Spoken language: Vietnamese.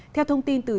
theo thông tin từ dưới